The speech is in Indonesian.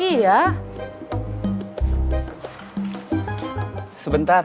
bersalah alison ah